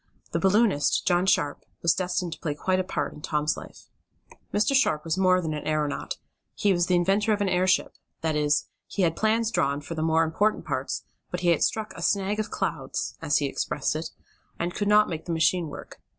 The balloonist, John Sharp, was destined to play quite a part in Tom's life. Mr. Sharp was more than an aeronaut he was the inventor of an airship that is, he had plans drawn for the more important parts, but he had struck a "snag of clouds," as he expressed it, and could not make the machine work.